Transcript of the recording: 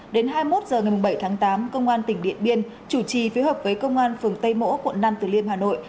đến hai mươi một h ngày bảy tháng tám công an tỉnh điện biên chủ trì phiếu hợp với công an phường tây mỗ quận năm từ liêm hà nội